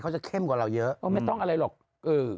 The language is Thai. จะเข้มกว่าเราเยอะไม่ต้องอะไรหรอกเออ